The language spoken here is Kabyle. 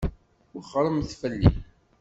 Wexxṛemt fell-i!